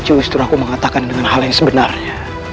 justru aku mengatakan dengan hal yang sebenarnya